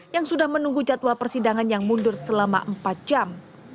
yang sudah menunggu jadwal persidangan yang mundur selama empat jam